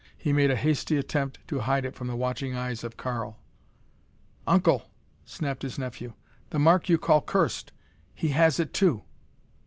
He made a hasty attempt to hide it from the watching eyes of Karl. "Uncle!" snapped his nephew, " the mark you call cursed! He has it, too!"